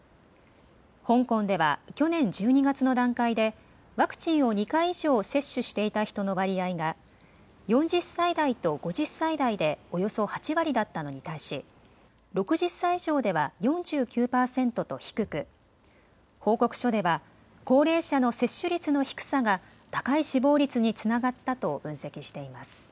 香港では去年１２月の段階でワクチンを２回以上接種していた人の割合が４０歳代と５０歳代でおよそ８割だったのに対し、６０歳以上では４９％と低く報告書では高齢者の接種率の低さが高い死亡率につながったと分析しています。